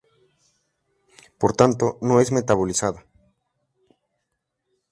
Por tanto, no es metabolizada.